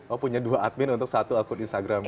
oh punya dua admin untuk satu akun instagram